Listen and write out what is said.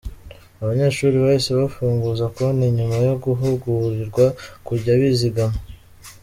Abanyeshuri bahise bafunguza konti nyuma yo guhugurirwa kujya bizigama.